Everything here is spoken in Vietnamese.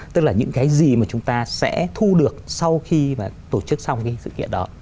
tức là những cái gì mà chúng ta sẽ thu được sau khi mà tổ chức xong cái sự kiện đó